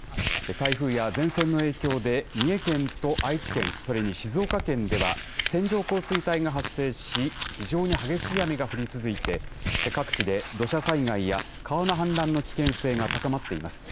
台風や前線の影響で三重県と愛知県それに静岡県では線状降水帯が発生し非常に激しい雨が降り続いて各地で土砂災害や川の氾濫の危険性が高まっています。